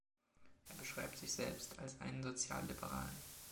Er beschreibt sich selbst als einen „Sozialliberalen“.